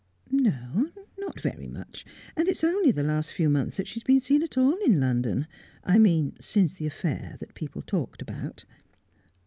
"No; not very much. And it's only the last few months that she has been seen at all in London I mean, since the affair that people talked about."